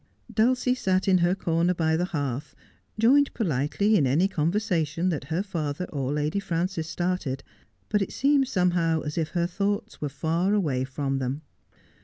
Dulcie sat in her comer by the hearth, joined politely in any conversation that her father or Lady Frances started, but it seemed somehow as if her thoughts were far away from them.